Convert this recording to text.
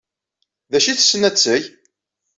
D acu ay tessen ad t-teg?